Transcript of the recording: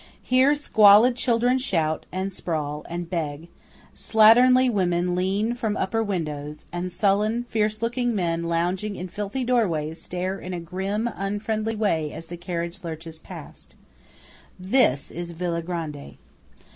Here squalid children shout, and sprawl, and beg; slatternly women lean from upper windows; and sullen, fierce looking men lounging in filthy doorways stare in a grim unfriendly way as the carriage lurches past. This is Villa Grande.